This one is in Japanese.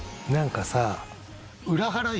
何かさ